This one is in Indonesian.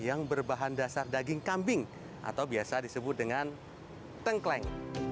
yang berbahan dasar daging kambing atau biasa disebut dengan tengkleng